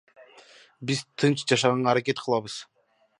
Биз тынч жашаганга аракет кылабыз.